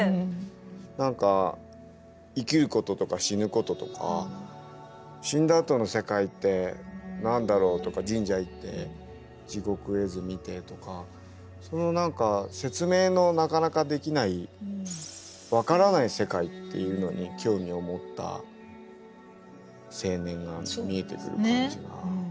何か生きることとか死ぬこととか死んだ後の世界って何だろうとか神社行って「地獄絵図」見てとかその何か説明のなかなかできない分からない世界っていうのに興味を持った青年が見えてくる感じが。